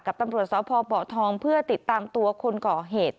กับตำรวจสาวพอป่อทองเพื่อติดตามตัวคนก่อเหตุ